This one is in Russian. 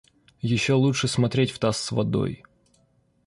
Еще лучше смотреть в таз с водой.